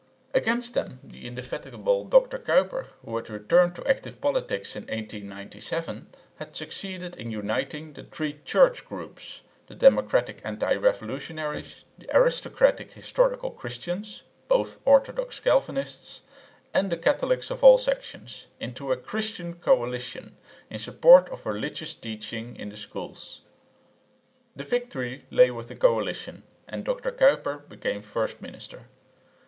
Against them the indefatigable Dr Kuyper, who had returned to active politics in 1897, had succeeded in uniting the three "Church" groups the democratic anti revolutionaries, the aristocratic Historical Christians (both orthodox Calvinists) and the Catholics of all sections into a "Christian Coalition" in support of religious teaching in the schools. The victory lay with the coalition, and Dr Kuyper became first minister.